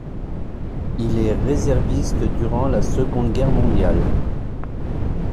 Il est réserviste durant la Seconde Guerre mondiale.